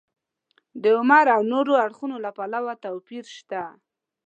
د عمر او نورو اړخونو له پلوه توپیر شته.